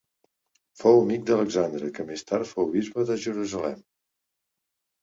Fou amic d'Alexandre que més tard fou bisbe de Jerusalem.